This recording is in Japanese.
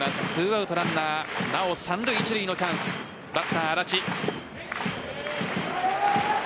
２アウトランナーなお三塁一塁のチャンスバッター・安達。